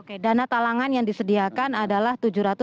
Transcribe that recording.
oke dana talangan yang disediakan adalah tujuh ratus delapan puluh satu